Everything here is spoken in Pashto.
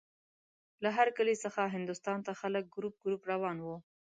له هر کلي څخه هندوستان ته خلک ګروپ ګروپ روان وو.